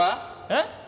えっ？